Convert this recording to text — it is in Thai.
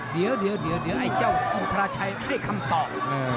เดี๋ยวไอ้เจ้าอุทราชัยให้คำตอบ